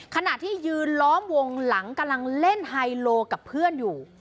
ขณะที่ยืนล้อมวงหลังกำลังเล่นไฮโลกับเพื่อนอยู่